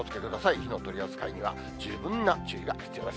火の取り扱いには、十分な注意が必要です。